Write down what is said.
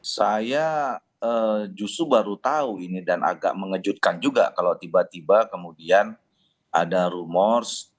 saya justru baru tahu ini dan agak mengejutkan juga kalau tiba tiba kemudian ada rumors